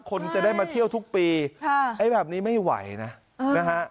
คนจะได้มาเที่ยวทุกปีค่ะไอ้แบบนี้ไม่ไหวนะนะฮะ